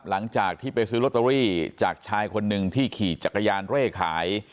หลังจากที่ไปซื้อลอตเตอรี่จากชายคนหนึ่งที่ขี่จักรยานเร่ขาย